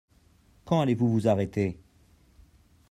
Quand allez-vous vous arrêter?